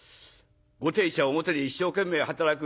ご亭主は表で一生懸命働く。